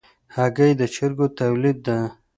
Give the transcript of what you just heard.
هګۍ د چرګو تولید ده.